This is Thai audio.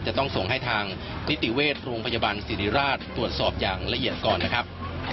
จะต้องส่งให้ทางนิติเวชโรงพยาบาลศิริราชตรวจสอบอย่างละเอียดก่อนนะครับ